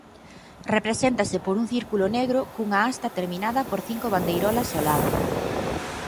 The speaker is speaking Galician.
Represéntase por un círculo negro cunha hasta terminada por cinco bandeirolas ao lado.